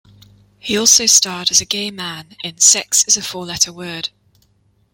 He also starred as a gay man in "Sex Is a Four Letter Word".